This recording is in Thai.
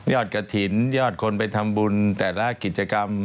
กระถิ่นยอดคนไปทำบุญแต่ละกิจกรรม